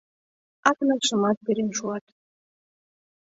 Акнашымат перен шуат.